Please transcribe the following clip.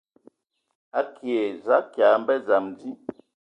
Akie za kia mbə dzam adi.